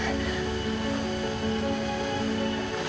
jemput aku kan